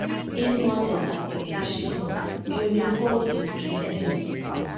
In modern applications, Unicode is preferred.